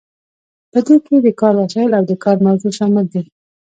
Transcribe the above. په دې کې د کار وسایل او د کار موضوع شامل دي.